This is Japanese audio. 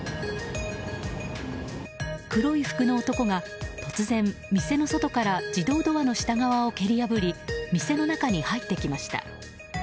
黒い服の男が突然、店の外から自動ドアの下側を蹴り破り店の中に入ってきました。